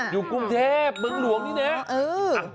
อยู่กรุงเทพเมืองหลวงนี่นะ